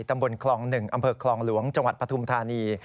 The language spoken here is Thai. ตำบลคลอง๑อำเภอคลองหลวงจังหวัดปฐุมธานี